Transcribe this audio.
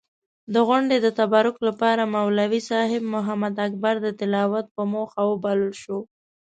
د غونډې د تبرک لپاره مولوي صېب محمداکبر د تلاوت پۀ موخه وبلل شو.